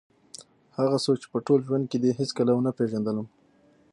هغه څوک چې په ټول ژوند کې دې هېڅکله ونه پېژندلم.